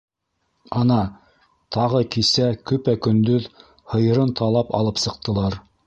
Ана, тағы кисә көпә- көндөҙ һыйырын талап алып сыҡтылар.